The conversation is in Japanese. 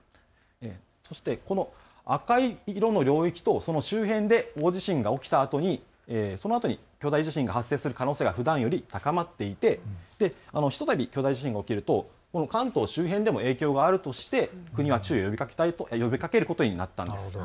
この赤い色の領域とその周辺で大地震が起きたあとにそのあとに巨大地震が発生する可能性がふだんより高まっていてひとたび巨大地震が起きると関東周辺にも影響があるとして国は注意を呼びかけることになったんです。